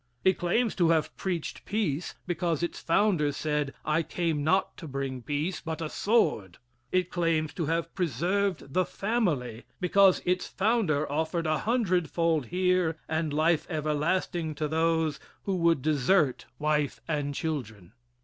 It claims to have preached peace because its founder said, "I came not to bring peace but a sword." It claims to have preserved the family because its founder offered a hundred fold here and life everlasting to those who would desert wife and children.